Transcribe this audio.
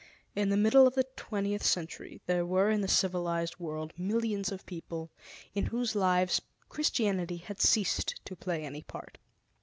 In the middle of the twentieth century there were in the civilized world, millions of people in whose lives Christianity had ceased to play any part.